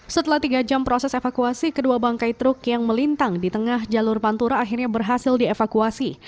setelah tiga jam proses evakuasi kedua bangkai truk yang melintang di tengah jalur pantura akhirnya berhasil dievakuasi